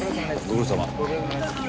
ご苦労さまです。